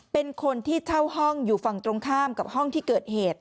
เป็นคนที่เช่าห้องอยู่ฝั่งตรงข้ามกับห้องที่เกิดเหตุ